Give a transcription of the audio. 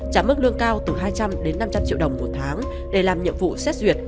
trả mức lương cao từ hai trăm linh đến năm trăm linh triệu đồng một tháng để làm nhiệm vụ xét duyệt